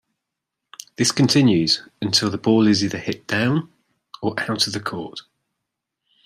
This continues until the ball is either hit 'down' or out of the court.